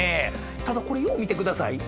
ただこれよう見てください。